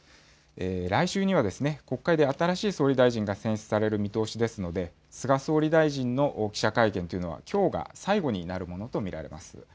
来週には国会で新しい総理大臣が選出される見通しですので、菅総理大臣の記者会見というのは、きょうが最後になるものと見られます。